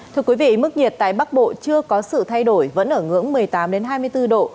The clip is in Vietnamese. thưa quý vị mức nhiệt tại bắc bộ chưa có sự thay đổi vẫn ở ngưỡng một mươi tám hai mươi bốn độ